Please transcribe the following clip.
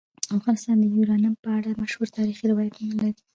افغانستان د یورانیم په اړه مشهور تاریخی روایتونه لري.